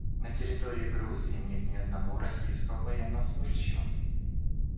На территории Грузии нет ни одного российского военнослужащего.